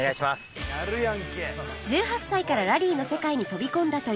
１８歳からラリーの世界に飛び込んだという三枝選手